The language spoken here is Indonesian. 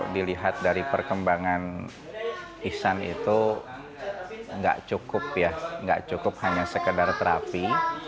dengan ihsan itu nggak cukup ya nggak cukup hanya sekedar terapi